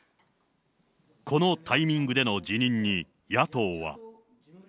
このタイミングでの辞任に、野党は。